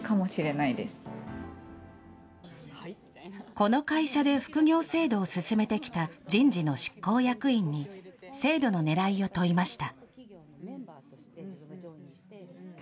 この会社で副業制度を進めてきた人事の執行役員に、制度のねらいを問いました。